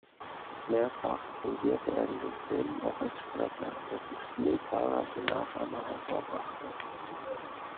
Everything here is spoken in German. Mehrfach fungierte er in den Filmen auch als Sprecher, dessen Stil zahlreiche Nachahmer hervorbrachte.